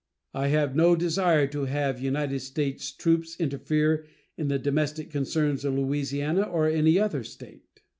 I have no desire to have United States troops interfere in the domestic concerns of Louisiana or any other State.